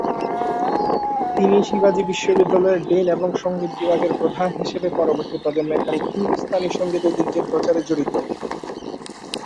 তিনি শিবাজি বিশ্ববিদ্যালয়ের ডিন এবং সংগীত বিভাগের প্রধান হিসাবে পরবর্তী প্রজন্মের কাছে হিন্দুস্তানি সংগীত ঐতিহ্যের প্রচারে জড়িত।